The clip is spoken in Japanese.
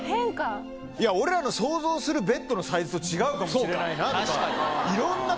いや俺らの想像するベッドのサイズと違うかもしれないなとかいろんな兼ね合いが。